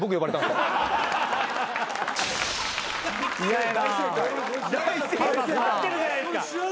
・合ってるじゃないですか。